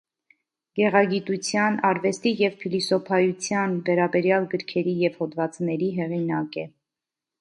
Գեղագիտության, արվեստի և փիլիսոփայության վերաբերյալ գրքերի և հոդվածների հեղինակ է։